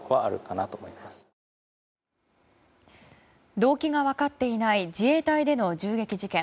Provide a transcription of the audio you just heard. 動機が分かっていない自衛隊での銃撃事件。